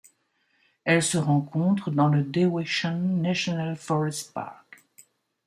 Elle se rencontre dans le Daweishan National Forest Park.